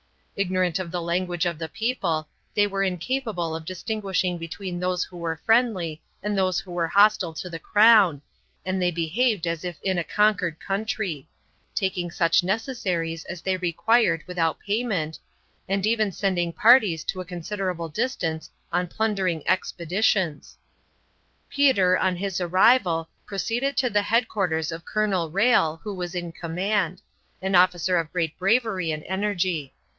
Ignorant of the language of the people, they were incapable of distinguishing between those who were friendly and those who were hostile to the Crown, and they behaved as if in a conquered country; taking such necessaries as they required without payment, and even sending parties to a considerable distance on plundering expeditions. Peter, on his arrival, proceeded to the headquarters of Colonel Rhalle, who was in command an officer of great bravery and energy.